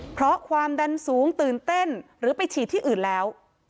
เพราะความดันสูงตื่นเต้นหรือไปฉีดที่อื่นแล้ว